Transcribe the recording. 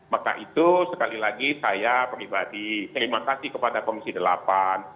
maka itu sekali lagi saya pribadi terima kasih kepada komisi delapan